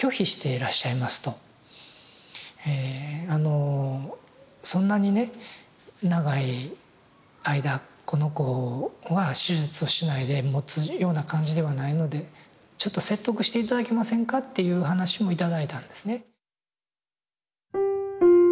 えあのそんなにね長い間この子は手術をしないでもつような感じではないのでちょっと説得して頂けませんかっていう話も頂いたんですね。